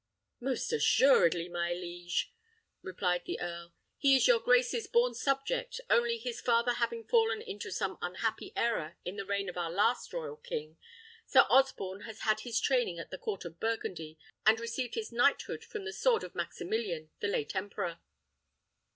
"Most assuredly, my liege," replied the earl. "He is your grace's born subject; only, his father having fallen into some unhappy error in the reign of our last royal king, Sir Osborne has had his training at the court of Burgundy, and received his knighthood from the sword of Maximilian, the late emperor."